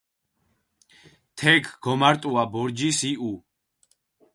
თექ გომარტუა ბორჯის იჸუ.